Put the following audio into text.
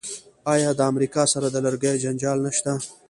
آیا د امریکا سره د لرګیو جنجال نشته؟